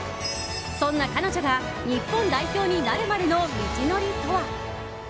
そんな彼女が日本代表になるまでの道のりとは。